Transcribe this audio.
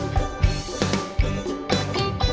kamu juga sama